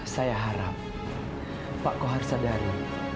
saya harap pak kohar sadari